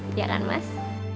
biar kan mas